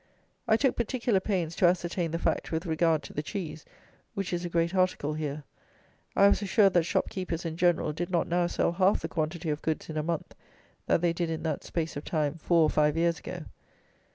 I took particular pains to ascertain the fact with regard to the cheese, which is a great article here. I was assured that shop keepers in general did not now sell half the quantity of goods in a month that they did in that space of time four or five years ago.